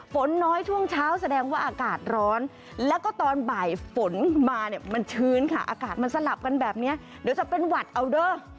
ฝนน้อยช่วงเช้าแสดงว่าอากาศร้อนแล้วก็ตอนบ่ายฝนมาเนี่ยมันชื้นค่ะอากาศมันสลับกันแบบนี้เดี๋ยวจะเป็นหวัดเอาเด้อ